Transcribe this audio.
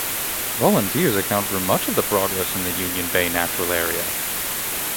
Volunteers account for much of the progress in the Union Bay Natural Area.